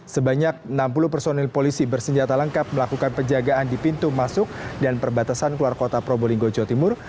sebanyak enam puluh personil polisi bersenjata lengkap melakukan penjagaan di pintu masuk dan perbatasan keluar kota probolinggo jawa timur